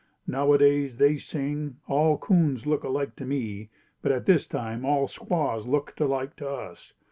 Nowadays they sing, "All Coons look Alike to me," but at this time all squaws looked alike to us.